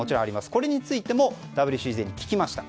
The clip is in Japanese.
これについてもＷＣＪに聞きました。